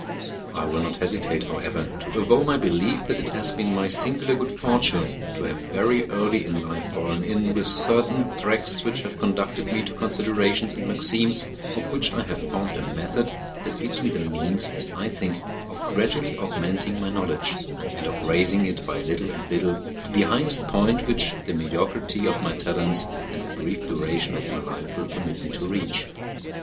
I will not hesitate, however, to avow my belief that it has been my singular good fortune to have very early in life fallen in with certain tracks which have conducted me to considerations and maxims, of which I have formed a method that gives me the means, as I think, of gradually augmenting my knowledge, and of raising it by little and little to the highest point which the mediocrity of my talents and the brief duration of my life will permit me to reach.